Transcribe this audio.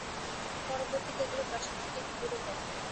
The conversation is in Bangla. পরবর্তীতে, এগুলো প্রাসাদ থেকে একটু দূরে করো।